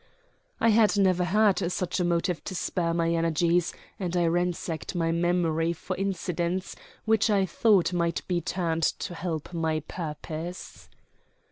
I had never had such a motive to spur my energies, and I ransacked my memory for incidents which I thought might be turned to help my purpose.